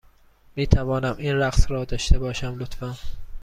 می توانم این رقص را داشته باشم، لطفا؟